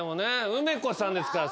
梅子さんですから。